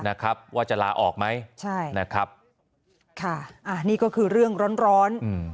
นะครับว่าจะลาออกไหมใช่นะครับค่ะอ่านี่ก็คือเรื่องร้อนร้อนอืม